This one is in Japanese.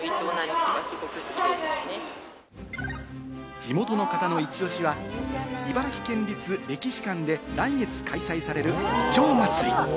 地元の方のイチオシは茨城県立歴史館で来月開催される、いちょうまつり。